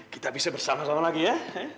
kita bisa bersama sama lagi ya